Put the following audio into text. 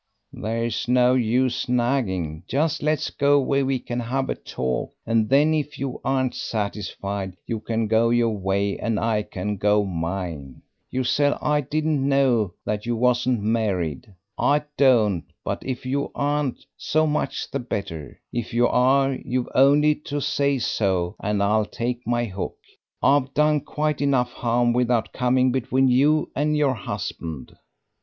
"There's no use nagging; just let's go where we can have a talk, and then if you aren't satisfied you can go your way and I can go mine. You said I didn't know that you wasn't married. I don't, but if you aren't, so much the better. If you are, you've only to say so and I'll take my hook. I've done quite enough harm, without coming between you and your husband."